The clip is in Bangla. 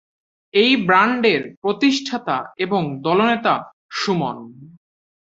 এই ব্যান্ডের প্রতিষ্ঠাতা এবং দলনেতা সুমন।